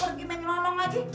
pergi main lolong aja